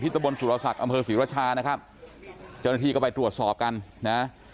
ที่ตะบนสุรสักรอำเฮิร์ดศิรชานะครับเจ้าหน้าทีก็ไปตรวจสอบกันนะ